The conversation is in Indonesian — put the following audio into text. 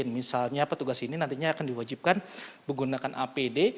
misalnya petugas ini nantinya akan diwajibkan menggunakan apd